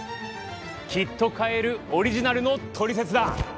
きっと変えるオリジナルのトリセツだ！